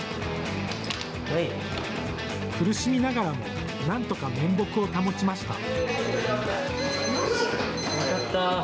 苦しみながらもなんとか面目を保ちました。